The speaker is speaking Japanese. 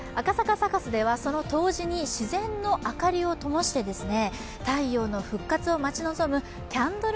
サカスでは冬至に自然の明かりをともして太陽の復活を待ち望むキャンドル